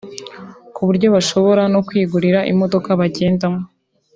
kuburyo bashobora no kwigurira imodoka bagendamo